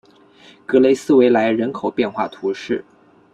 格雷斯维莱人口变化图示